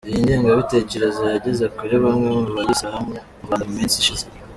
Iyi ngengabitekerezo yageze kuri bamwe mu bayisilamu mu Rwanda mu minsi ishize.